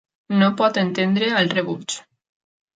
No pot entendre el rebuig.